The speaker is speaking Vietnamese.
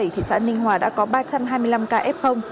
thị xã ninh hòa đã có ba trăm hai mươi năm ca f